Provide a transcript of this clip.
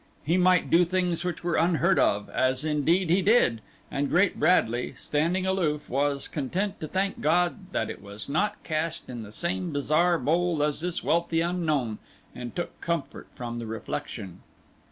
He might do things which were unheard of, as indeed he did, and Great Bradley, standing aloof, was content to thank God that it was not cast in the same bizarre mould as this wealthy unknown, and took comfort from the reflection.